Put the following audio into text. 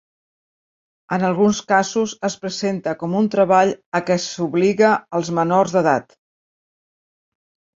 En alguns casos es presenta com un treball a què s'obliga els menors d'edat.